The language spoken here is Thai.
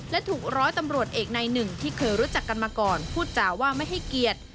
และถูกร้อยตำรวจเอกในหนึ่งที่เคยรู้จักกันมาก่อนพูดจาว่าไม่ให้เกียรติ